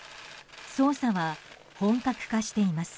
捜査は本格化しています。